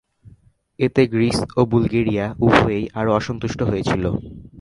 এতে গ্রিস ও বুলগেরিয়া উভয়েই আরো অসন্তুষ্ট হয়েছিল।